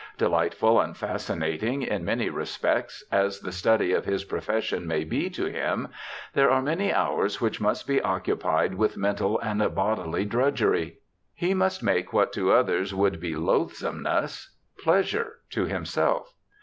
Delightful and fascinating, in many respects, as the study of his pro fession may be to him, there are many hours which must be occupied with mental and bodily drudgery. He must make what to others would be loathsomeness pleasure to himself.